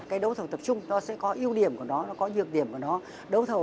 cái đấu thầu tập trung nó sẽ có ưu điểm của nó nó có dược điểm của nó